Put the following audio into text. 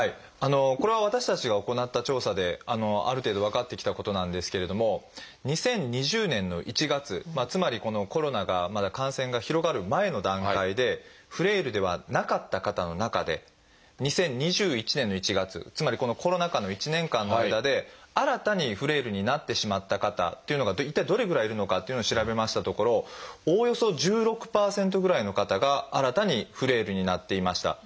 これは私たちが行った調査である程度分かってきたことなんですけれども２０２０年の１月つまりこのコロナがまだ感染が広がる前の段階でフレイルではなかった方の中で２０２１年の１月つまりこのコロナ禍の１年間の間で新たにフレイルになってしまった方というのが一体どれぐらいいるのかというのを調べましたところおおよそ１６％ぐらいの方が新たにフレイルになっていました。